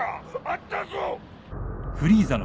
あったぞ！